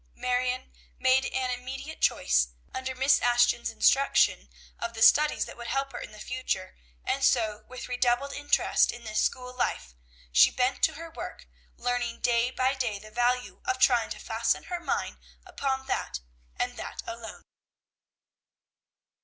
Marion made an immediate choice, under Miss Ashton's instruction, of the studies that would help her in the future; and so, with redoubled interest in this school life, she bent to her work, learning day by day the value of trying to fasten her mind upon that, and that alone.